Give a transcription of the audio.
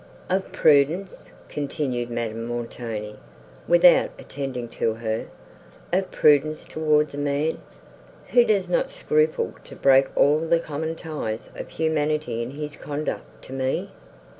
"Of prudence!" continued Madame Montoni, without attending to her, "of prudence towards a man, who does not scruple to break all the common ties of humanity in his conduct to me!